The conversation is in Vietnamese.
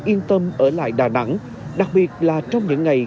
yên tâm ở lại đà nẵng đặc biệt là trong những ngày